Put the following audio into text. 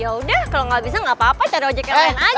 yaudah kalau nggak bisa nggak apa apa cari ojek yang lain aja